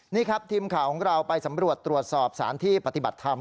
นี่ครับทีมข่าวของเราไปสำรวจตรวจสอบสารที่ปฏิบัติธรรม